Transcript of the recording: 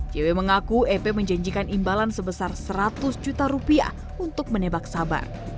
jw mengaku ep menjanjikan imbalan sebesar seratus juta rupiah untuk menebak sabar